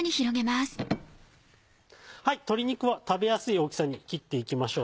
鶏肉は食べやすい大きさに切っていきましょう。